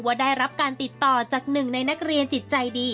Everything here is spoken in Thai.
ได้รับการติดต่อจากหนึ่งในนักเรียนจิตใจดี